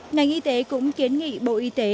ngành y tế cũng kiến nghị bộ y tế